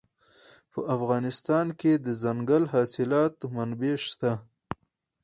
په افغانستان کې د دځنګل حاصلات منابع شته.